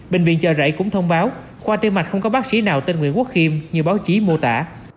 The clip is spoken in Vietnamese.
bệnh viện chờ rảy cũng thông báo khoa tiên mạch không có bác sĩ nào tên nguyễn quốc kim như báo chí mô tả